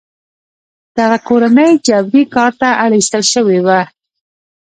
دغه کورنۍ جبري کار ته اړ ایستل شوې وې.